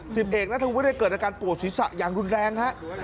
สิบเอกนัทวุฒิได้เกิดอาการปวดศีรษะอย่างรุนแรงฮะ